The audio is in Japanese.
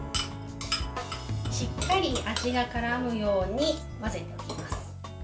しっかり味がからむように混ぜておきます。